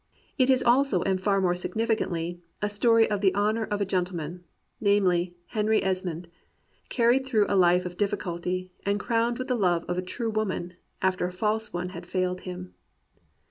It is also, and far more significantly, a story of the honour of a gentleman — namely, Henry Esmond — carried through a Hfe of difficulty, and crowned with the love of a true woman, after a false one had failed him.